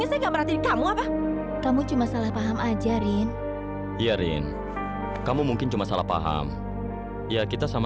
sampai jumpa di video selanjutnya